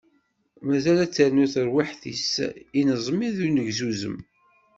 Mazal ad ternu terwiḥt-is ineẓmi d unegzuzem.